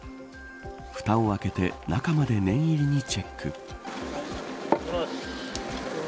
ふたを開けて中まで念入りにチェック。